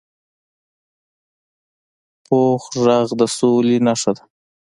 پوخ غږ د سولي نښه ده